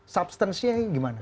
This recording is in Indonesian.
substansinya ini gimana